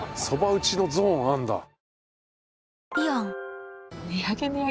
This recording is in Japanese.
そば打ちのゾーンあるんだ。